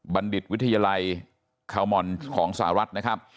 บัณฑิตวิทยาลัยคาวมอนด์ของสหรัฐ